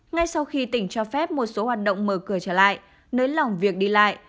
ngay sau khi tỉnh cho phép một số hoạt động mở cửa trở lại nới lỏng việc đi lại